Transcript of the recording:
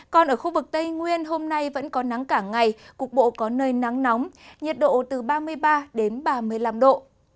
còn ở khu vực tây nguyên hôm nay vẫn có nắng cả ngày cục bộ có nơi nắng nóng nhiệt độ từ ba mươi ba đến ba mươi năm độ